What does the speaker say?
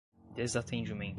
desatendimento